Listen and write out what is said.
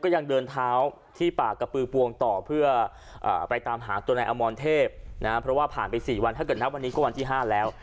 ยังเดินเท้าที่ป่ากระปือปวงต่อเพื่อไปตามหาตัวนายอมรเทพนะเพราะว่าผ่านไป๔วันถ้าเกิดนับวันนี้ก็วันที่๕แล้ว